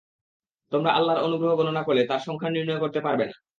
তোমরা আল্লাহর অনুগ্রহ গণনা করলে তার সংখ্যা নির্ণয় করতে পারবে না।